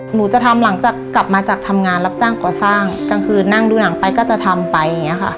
หนูจะทำหลังจากทำงานตอนถ้านั่งดูหนังไปก็จะทำไป